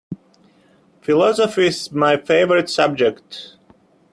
Philosophy is my favorite subject.